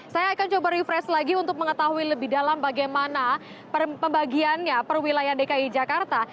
saya akan coba refresh lagi untuk mengetahui lebih dalam bagaimana pembagiannya perwilayahan dki jakarta